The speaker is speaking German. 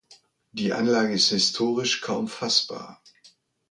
Die Anlage ist historisch kaum fassbar.